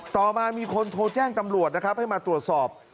ต่อมามีคนโทรแจ้งตำรวจนะครับให้มาตรวจสอบ